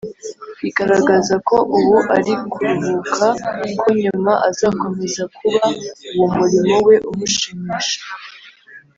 bigaragaza ko ubu ari kuruhuka ko nyuma azakomeza kuko uwo murimo we umushimisha.